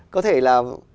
có thể là